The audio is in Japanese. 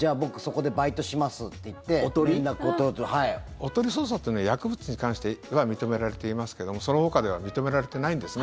おとり捜査というのは薬物に関しては認められていますけどもそのほかでは認められてないんですね。